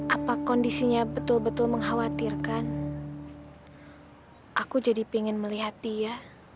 apa kondisinya betul betul mengkhawatirkan aku jadi ingin melihat dia